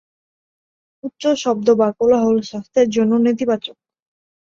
উচ্চ শব্দ বা কোলাহল স্বাস্থ্যের জন্য নেতিবাচক।